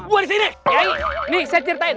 buat disini kiai nih saya ceritain